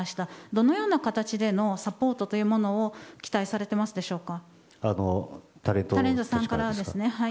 どのような形でのサポートを期待されていますでしょうか。